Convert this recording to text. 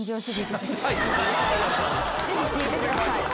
すぐ聴いてください。